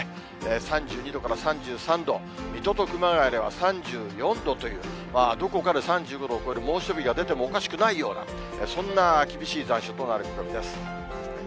３２度から３３度、水戸と熊谷では３４度という、どこかで３５度を超える猛暑日が出てもおかしくないような、そんな厳しい残暑となる見込みです。